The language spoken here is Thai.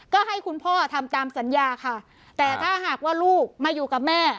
ก็ให้คุณพ่อทำตามสัญญาค่ะแต่ถ้าหากว่าลูกมาอยู่กับแม่